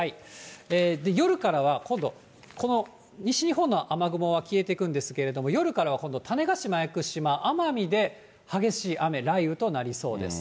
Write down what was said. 夜からは今度、この西日本の雨雲は消えてくんですけれども、夜からは今度、種子島、屋久島、奄美で激しい雨、雷雨となりそうです。